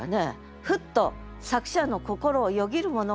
ふっと作者の心をよぎるものがあるのです。